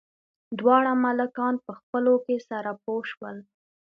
دواړه ملکان په خپلو کې سره پوه شول.